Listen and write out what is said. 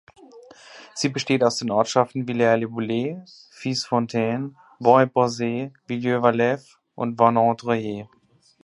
Sie besteht aus den Ortschaften "Villers-le-Bouillet, Fize-Fontaine, Vaux-et-Borset, Vieux-Waleffe" und "Warnant-Dreye".